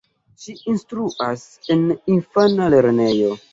Ŝi instruas en infana lernejo.